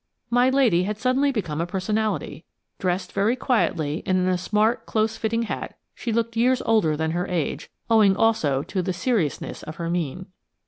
My lady had suddenly become a personality. Dressed very quietly, and in a smart close fitting hat, she looked years older than her age, owing also to the seriousness of her mien.